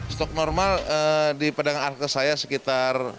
stok normal di pedang arke saya sekitar